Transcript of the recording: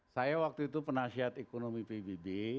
saya waktu itu penasihat ekonomi pbb